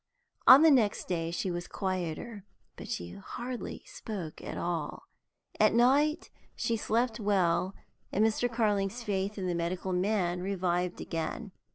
On the next day she was quieter, but she hardly spoke at all. At night she slept well, and Mr. Carling's faith in the medical man revived again.